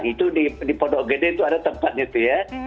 itu di podok gede itu ada tempat gitu ya